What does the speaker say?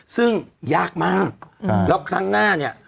ซึ่งยากมากแล้วครั้งหน้าเนี่ย